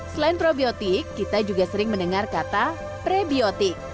selain probiotik kita juga sering mendengar kata prebiotik